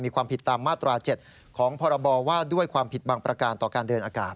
มีความผิดตามมาตรา๗ของพรบว่าด้วยความผิดบางประการต่อการเดินอากาศ